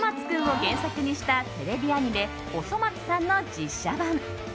くん」を原作にしたテレビアニメ「おそ松さん」の実写版。